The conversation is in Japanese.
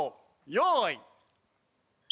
用意。